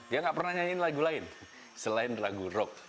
dia gak pernah nyanyiin lagu lain selain lagu rock